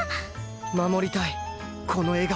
守りたいこの笑顔